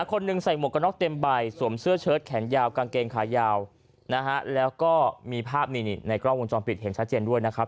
คนหนึ่งใส่หมวกกระน็อกเต็มใบสวมเสื้อเชิดแขนยาวกางเกงขายาวนะฮะแล้วก็มีภาพนี่ในกล้องวงจรปิดเห็นชัดเจนด้วยนะครับ